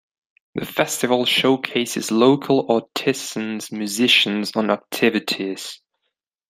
The festival showcases local artisans, musicians, and activities.